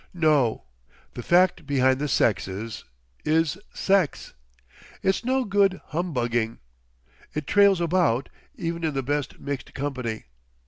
No. The fact behind the sexes—is sex. It's no good humbugging. It trails about—even in the best mixed company.